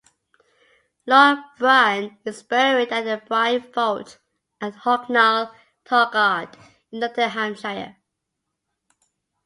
Lord Byron is buried in the Byron vault at Hucknall Torkard in Nottinghamshire.